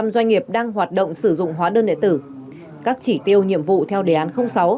một mươi doanh nghiệp đang hoạt động sử dụng hóa đơn điện tử các chỉ tiêu nhiệm vụ theo đề án sáu